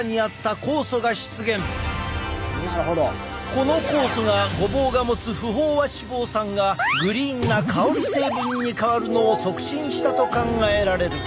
この酵素がごぼうが持つ不飽和脂肪酸がグリーンな香り成分に変わるのを促進したと考えられる。